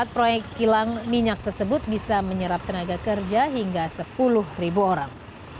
empat proyek kilang minyak tersebut bisa menyerap tenaga kerja hingga sepuluh orang